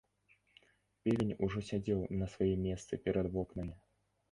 Певень ужо сядзеў на сваім месцы перад вокнамі.